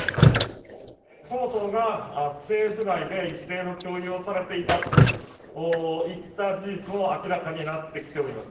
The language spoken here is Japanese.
そもそもが政府内で一定の共有をされていたといった事実も明らかになってきております。